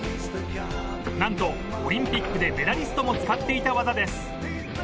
なんとオリンピックでメダリストも使っていた技です。